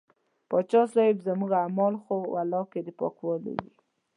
پاچا صاحب زموږ اعمال خو ولاکه د پاکوالي وي.